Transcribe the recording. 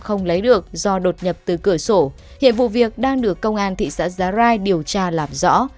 không lấy được do đột nhập từ cửa sổ hiện vụ việc đang được công an thị xã giá rai điều tra làm rõ